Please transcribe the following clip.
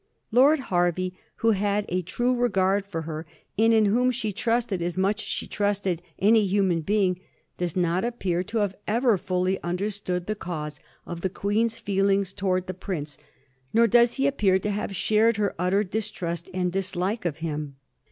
Lord Hervey, who had a true regard for her, and in whom she trusted as much as she trusted any human being, does not appear to have ever fully understood the cause of the Queen's feelings towards the prince ; nor does he appear to have shared her utter distrust and dislike of him.